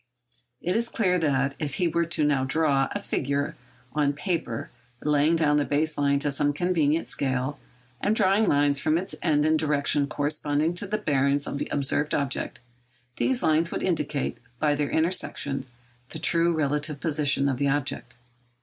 It is clear that, if he were now to draw a figure on paper, laying down the base line to some convenient scale, and drawing lines from its ends in directions corresponding to the bearings of the observed object, these lines would indicate, by their intersection, the true relative position of the object.